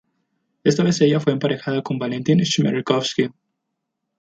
Esta vez ella fue emparejada con Valentin Chmerkovskiy.